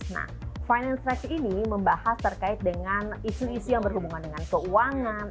nah finance track ini membahas terkait dengan isu isu yang berhubungan dengan keuangan